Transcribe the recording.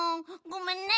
ごめんね。